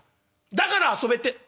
だから遊べて。